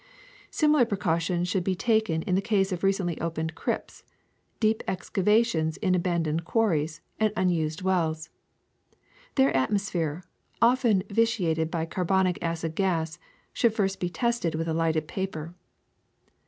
Similar precautions should be taken in the case of recently opened crypts, deep excavations in aban doned quarries, and unused wells. Their atmos phere, often vitiated by carbonic acid gas, should first be tested with a lighted paper.